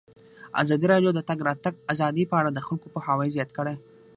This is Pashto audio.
ازادي راډیو د د تګ راتګ ازادي په اړه د خلکو پوهاوی زیات کړی.